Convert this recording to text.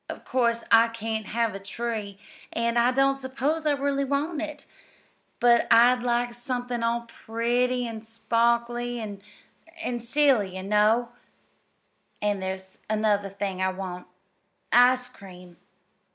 Of course I can't have a tree, an' I don't suppose I really want it; but I'd like somethin' all pretty an' sparkly an' an' silly, you know. An' there's another thing I want ice cream.